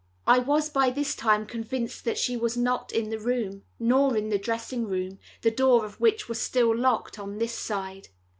I was by this time convinced that she was not in the room, nor in the dressing room, the door of which was still locked on this side.